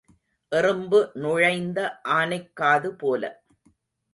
எறும்பு நுழைந்த ஆனைக் காது போல.